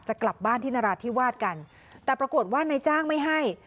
จะกลับบ้านที่นราธิวาสกันแต่ปรากฏว่านายจ้างไม่ให้